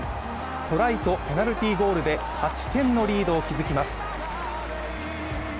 トライとペナルティーゴールで８点のリードを築きます。